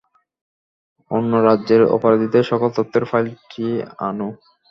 অন্য রাজ্যের অপরাধীদের সকল তথ্যের ফাইলটা আনো।